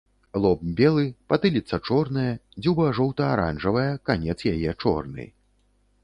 Лоб белы, патыліца чорная, дзюба жоўта-аранжавая, канец яе чорны.